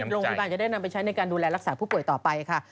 โรงพยาบาลจะได้นำไปใช้ในการดูแลรักษาผู้ป่วยต่อไปค่ะ